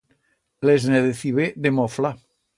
Les ne decibe de mofla.